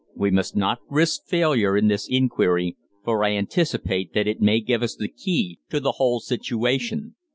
We must not risk failure in this inquiry, for I anticipate that it may give us the key to the whole situation.